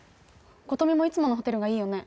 琴美もいつものホテルがいいよね？